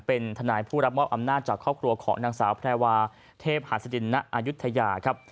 เป็นทนายผู้รับมอบอำนาจจากครอบครัวของนางสาวแพรวาเทพหาศดินณอายุทยาครับ